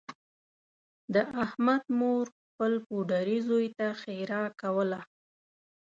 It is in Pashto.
د احمد مور خپل پوډري زوی ته ښېرا کوله